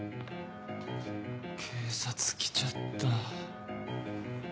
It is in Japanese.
・警察来ちゃった。